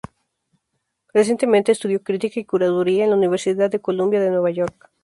Recientemente estudió Crítica y Curaduría en la Universidad de Columbia de Nueva York.